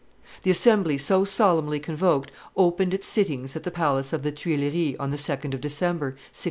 The assembly so solemnly convoked opened its sittings at the palace of the Tuileries on the 2d of December, 1626.